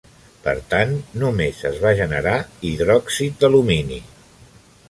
Per tant, només es va generar hidròxid d'alumini.